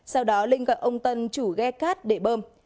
sau đó linh gọi ông tân chủ ghe cát để bơm